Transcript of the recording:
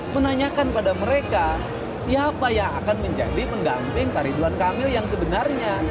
menanyakan pada mereka siapa yang akan menjadi pendamping pak ridwan kamil yang sebenarnya